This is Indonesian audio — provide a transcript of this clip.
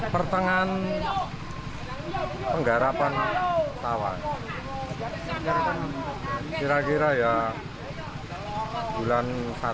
pertengahan penggarapan tawa kira kira ya bulan satu